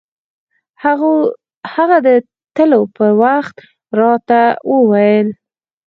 هغه د تلو پر وخت راته وويل.